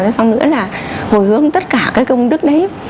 rồi sau nữa là hồi hướng tất cả cái công đức đấy